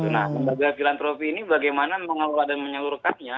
nah lembaga filantropi ini bagaimana mengelola dan menyalurkannya